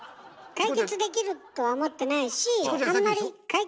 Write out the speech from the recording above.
解決できるとは思ってないしあんまり